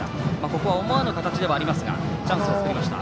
ここは思わぬ形ではありますがチャンスを作りました。